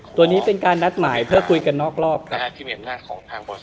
ตัวนี้เป็นการนัดหมายเพื่อกูยกันนอกรอบครับ